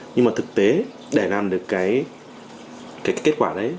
nhưng mà thực tế để làm được cái kết quả đấy